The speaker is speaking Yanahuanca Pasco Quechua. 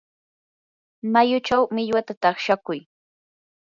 mayuchaw millwata takshakuy.